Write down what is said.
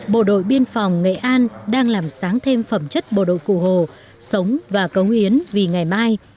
bộ đội biên phòng nghệ an đang làm sáng thêm phẩm chất bộ đội cụ hồ sống và cống hiến vì ngày mai